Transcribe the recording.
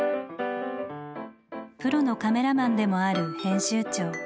プロのカメラマンでもある編集長。